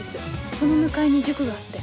その向かいに塾があって。